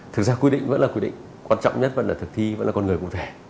thực ra quy định vẫn là quy định quan trọng nhất vẫn là thực thi vẫn là con người cụ thể